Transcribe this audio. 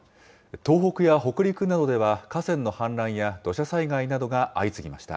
東北や北陸などでは、河川の氾濫や土砂災害などが相次ぎました。